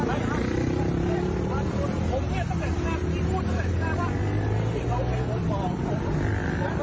ไม่ได้คนเลยคนหรือเปล่าคือตอนแรกผมก็กล่าวว่าไม่ได้นั่นหรอกแต่ผมไม่